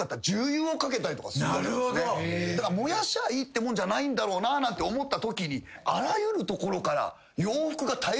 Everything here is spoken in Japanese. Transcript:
だから燃やしゃいいってもんじゃないんだろうなって思ったときにあらゆるところから。